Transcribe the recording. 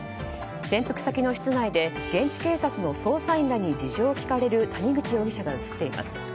潜伏先の室内で現地警察の捜査員らに事情を聴かれる谷口容疑者が写っています。